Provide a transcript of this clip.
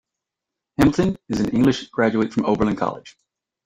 Hamilton is an English graduate from Oberlin College.